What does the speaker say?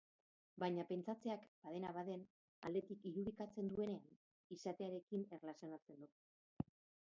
Baina pentsatzeak badena baden aldetik irudikatzen duenean, izatearekin erlazionatzen du.